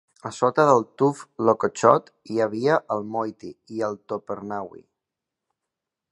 A sota del tuf Lokochot hi havia el Moiti i el Topernawi.